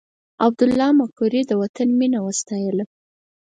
عبدالله مقري د وطن مینه وستایله.